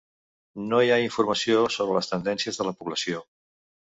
No hi ha informació sobre les tendències de la població.